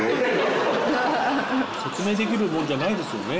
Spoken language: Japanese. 説明できるもんじゃないですよね